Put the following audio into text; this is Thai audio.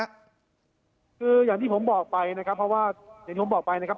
คืออย่างที่ผมบอกไปนะครับเพราะว่าอย่างที่ผมบอกไปนะครับ